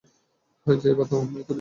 হয়েছে এবার থাম!